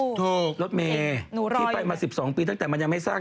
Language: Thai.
ถูกรถเมย์ที่ไปมา๑๒ปีตั้งแต่มันยังไม่สร้าง